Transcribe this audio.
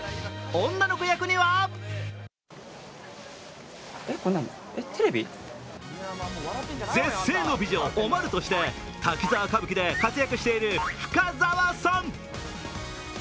女の子役には絶世の美女、おまるとして「滝沢歌舞伎」で活躍している深澤さん。